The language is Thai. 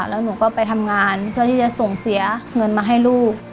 แล้วหนูก็ไปทำงานเพื่อที่จะส่งเสียเงินมาให้ลูก